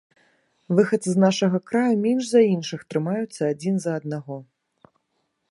Выхадцы з нашага краю менш за іншых трымаюцца адзін за аднаго.